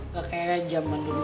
gak kayak jaman dulu abah